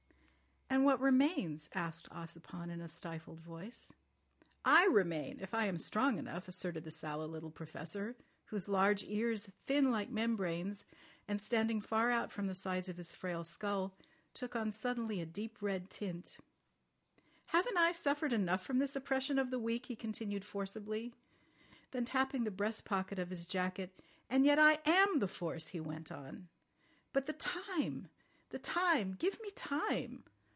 "And what remains?" asked Ossipon in a stifled voice. "I remain—if I am strong enough," asserted the sallow little Professor, whose large ears, thin like membranes, and standing far out from the sides of his frail skull, took on suddenly a deep red tint. "Haven't I suffered enough from this oppression of the weak?" he continued forcibly. Then tapping the breast pocket of his jacket: "And yet I am the force," he went on. "But the time! The time! Give me time!